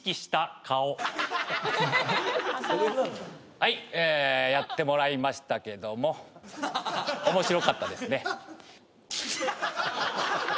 はいえやってもらいましたけども面白かったですね。